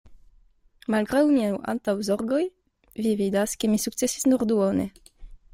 Malgraŭ miaj antaŭzorgoj, vi vidas, ke mi sukcesis nur duone.